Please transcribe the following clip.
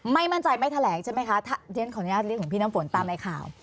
ไม่มั่นใจไม่แถลงใช่ไหมคะเรียนขออนุญาตเรียกของพี่น้ำฝนตามในข่าว